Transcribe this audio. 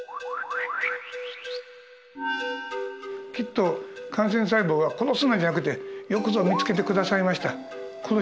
きっと感染細胞は「殺すな」じゃなくて「よくぞ見つけてくださいました。